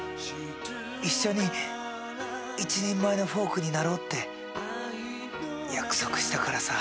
一緒に一人前のフォークになろうって約束したからさ。